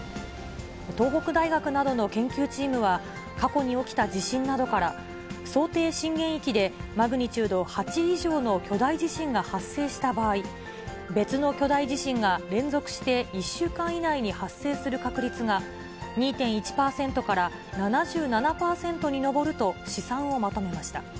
東北大学などの研究チームは、過去に起きた地震などから、想定震源域でマグニチュード８以上の巨大地震が発生した場合、別の巨大地震が連続して１週間以内に発生する確率が、２．１％から７７％に上ると、試算をまとめました。